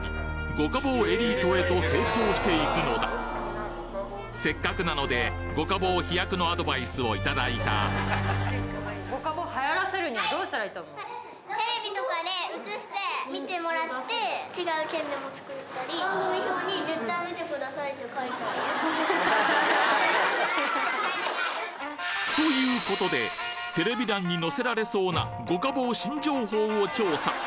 五家宝エリートへと成長していくのだせっかくなのでアドバイスをいただいたどうしたらいいと思う？ということでテレビ欄に載せられそうな五家宝新情報を調査